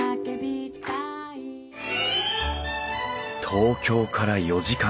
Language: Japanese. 東京から４時間。